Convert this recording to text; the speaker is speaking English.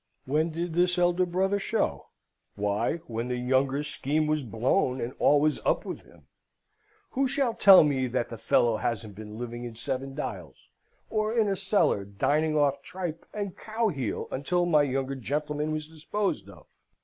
When did this elder brother show? Why, when the younger's scheme was blown, and all was up with him! Who shall tell me that the fellow hasn't been living in Seven Dials, or in a cellar dining off tripe and cow heel until my younger gentleman was disposed of?